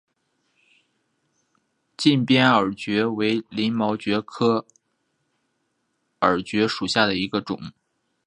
近边耳蕨为鳞毛蕨科耳蕨属下的一个种。